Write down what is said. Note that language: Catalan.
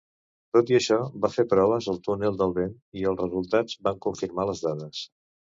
Tot i això van fer proves al túnel del vent i els resultats van confirmar les dades.